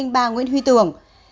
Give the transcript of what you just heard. bà nguyễn huy tưởng